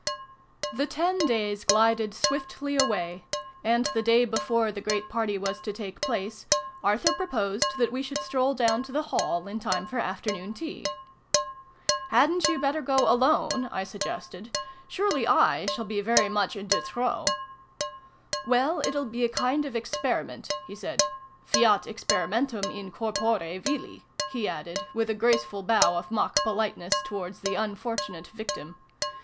THE ten days glided swiftly away : and, the day before the great party was to take place, Arthur proposed that we should stroll down to the Hall, in time for afternoon tea. " Hadn't you better go alone ?" I suggested. " Surely / shall be very much de trop ?"" Well, it'll be a kind of experiment" he said. "Fiat experimentum in corpore vili!" he added, with a graceful bow of mock polite ness towards the unfortunate victim.